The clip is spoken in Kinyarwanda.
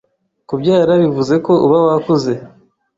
kubyara bivuze ko uba wakuze